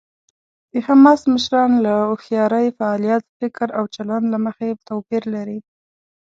د حماس مشران له هوښیارۍ، فعالیت، فکر او چلند له مخې توپیر لري.